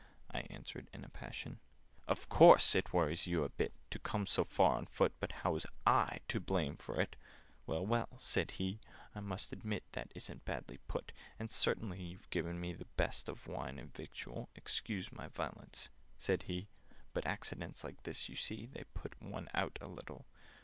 I answered in a passion. "Of course it worries you a bit To come so far on foot— But how was I to blame for it?" "Well, well!" said he. "I must admit That isn't badly put. "And certainly you've given me The best of wine and victual— Excuse my violence," said he, "But accidents like this, you see, They put one out a little.